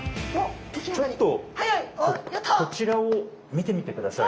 ちょっとこちらを見てみてください。